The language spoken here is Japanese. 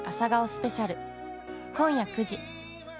スペシャル今夜９時。